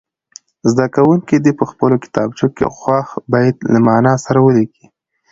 زده کوونکي دې په خپلو کتابچو کې خوښ بیت له معنا سره ولیکي.